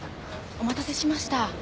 お待たせしました。